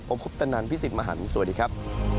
ผมคุปตนันพี่สิทธิ์มหันฯสวัสดีครับ